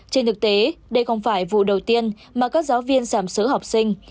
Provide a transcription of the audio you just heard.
trên thực tế đây không phải vụ đầu tiên mà các giáo viên giảm sớ học sinh